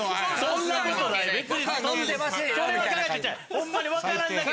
ホンマに分からんだけ。